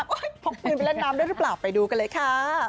โอ๊ยพวกมึงไปเล่นน้ำด้วยรึเปล่าไปดูกันเลยค่ะ